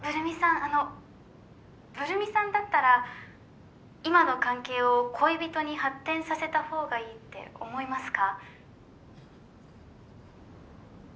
あのブル美さんだったら今の関係を恋人に発展させたほうがいいって思いますか？